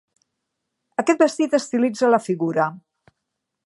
Aquest vestit estilitza la figura.